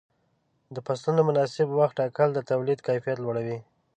د فصلونو مناسب وخت ټاکل د تولید کیفیت لوړوي.